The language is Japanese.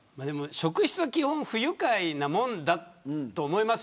職質は基本不愉快なものだと思います。